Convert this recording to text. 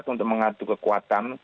untuk mengadu kekuatan